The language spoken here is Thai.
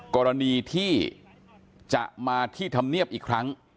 กรณีที่จะมาที่ธรรมเนียบอีกครั้ง